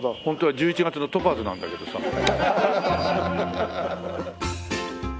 ホントは１１月のトパーズなんだけどさ。